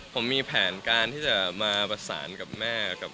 ผมมีแผนการที่จะมาประสานกับแม่กับ